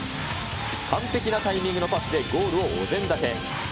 完璧なタイミングのパスでゴールをお膳立て。